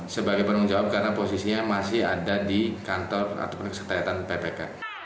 sebagai penung jawab karena posisinya masih ada di kantor atau penyelidikan ppk